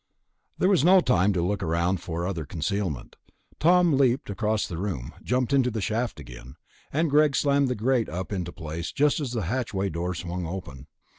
There was no time to look for other concealment. Tom leaped across the room, jumped up into the shaft again, and Greg slammed the grate up into place just as the hatchway door swung open.